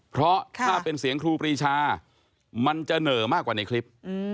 เพราะถ้าเป็นเสียงครูปรีชามันจะเหนอมากกว่าในคลิป